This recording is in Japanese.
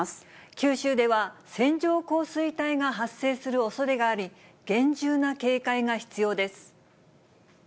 九州では線状降水帯が発生するおそれがあり、厳重な警戒が必要です。